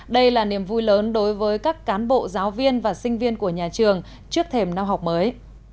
đây là niềm vui lớn đối với các cán bộ giáo viên và sinh viên của nhà trường trước thềm năm học mới